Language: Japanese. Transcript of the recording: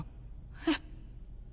えっ？